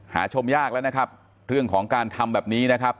ชมยากแล้วนะครับเรื่องของการทำแบบนี้นะครับ